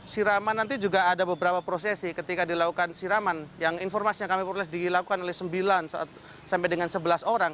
siraman nanti juga ada beberapa prosesi ketika dilakukan siraman yang informasi yang kami peroleh dilakukan oleh sembilan sampai dengan sebelas orang